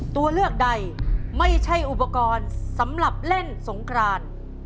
ตัวเลือกใดไม่ใช่อุปกรณ์สำหรับเล่นสงคราน